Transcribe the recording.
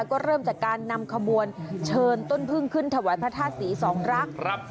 ก็เริ่มจากการนำขบวนเชิญต้นพึ่งขึ้นถวายพระธาตุศรีสองรัก